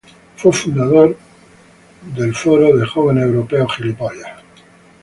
Fue fundador del European Youth Forum.